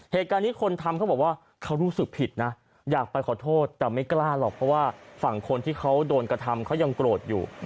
เหตุการณ์นี้คนทำเขาบอกว่าเขารู้สึกผิดนะอยากไปขอโทษแต่ไม่กล้าหรอกเพราะว่าฝั่งคนที่เขาโดนกระทำเขายังโกรธอยู่